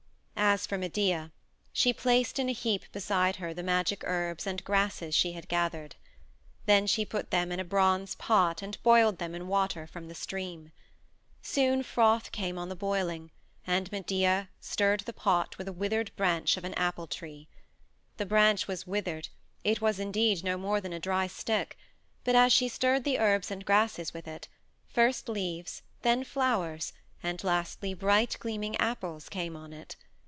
As for Medea, she placed in a heap beside her the magic herbs and grasses she had gathered. Then she put them in a bronze pot and boiled them in water from the stream. Soon froth came on the boiling, and Medea stirred the pot with a withered branch of an apple tree. The branch was withered it was indeed no more than a dry stick, but as she stirred the herbs and grasses with it, first leaves, then flowers, and lastly, bright gleaming apples came on it.